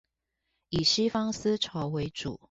以西方思潮為主導